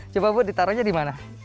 coba bu ditaruh aja di mana